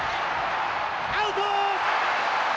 アウト！